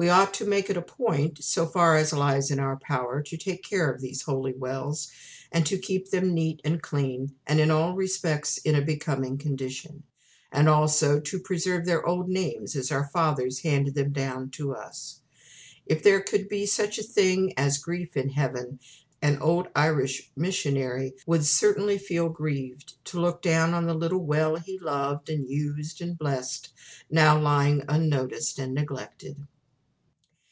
We ought to make it a point, so far as lies in our power, to take care of these holy wells, and to keep them neat and clean, and in all respects in a becoming condition; and also to preserve their old names as our fathers handed them down to us. If there could be such a thing as grief in heaven, an old Irish missionary would certainly feel grieved to look down on the little well he loved, and used, and blessed, now lying unnoticed and neglected.